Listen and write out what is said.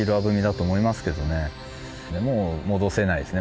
もう戻せないですね